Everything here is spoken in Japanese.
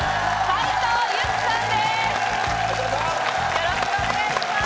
よろしくお願いします。